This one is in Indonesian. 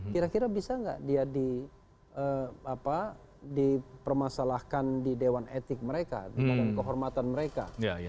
kira kira bisa nggak dia dipermasalahkan di dewan etik mereka di badan kehormatan mereka